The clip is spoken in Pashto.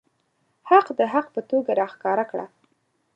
حق د حق په توګه راښکاره کړه.